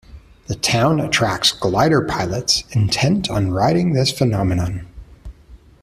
The town attracts glider pilots intent on riding this phenomenon.